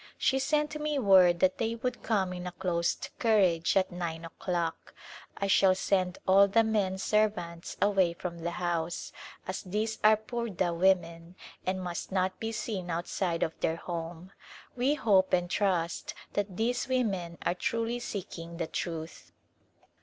She sent me word that they would come in a closed carriage at nine o'clock. I shall send all the men servants away from the house, as these are purdah women, and must not be seen outside of their home. We hope and trust that these women are truly seek ing the Truth.